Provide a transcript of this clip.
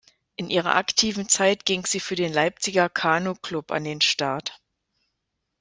In ihrer aktiven Zeit ging sie für den Leipziger Kanu-Club an den Start.